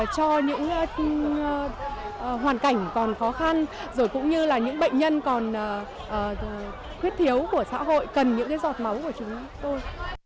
cho những hoàn cảnh còn khó khăn rồi cũng như là những bệnh nhân còn khuyết thiếu của xã hội cần những giọt máu của chúng tôi